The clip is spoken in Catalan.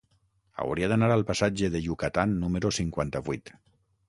Hauria d'anar al passatge de Yucatán número cinquanta-vuit.